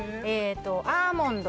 アーモンド